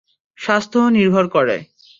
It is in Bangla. স্বাস্থ্য নির্ভর করে।